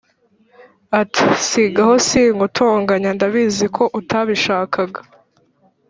ati"sigaho sinkutonganya ndabiziko utabishakaga"